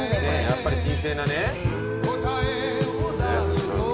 やっぱり新鮮なね。